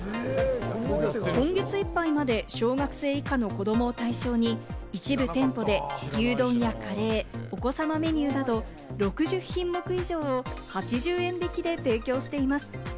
今月いっぱいまで小学生以下の子どもを対象に一部店舗で牛丼やカレー、お子さまメニューなど６０品目以上を８０円引きで提供しています。